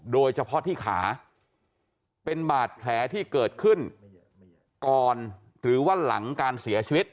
โดยเฉพาะที่ขาเป็นบาดแผลที่เกิดขึ้นก่อนหรือว่าหลังการเสียชีวิต